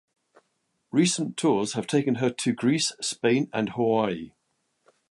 Recent tours have taken her to Greece, Spain and Hawaii.